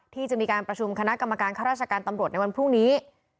ที่จะมีการประชุมคณะกรรมการข้าราชการตำรวจในวันพรุ่งนี้